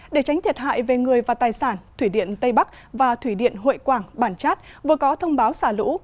để tránh thiệt hại về người và tài sản thủy điện tây bắc và thủy điện hội quảng bản chát vừa có thông báo xả lũ